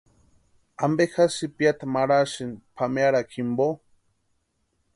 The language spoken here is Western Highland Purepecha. ¿Ampe jásï sïpiata marhasïni pʼamearhakwa jimpo?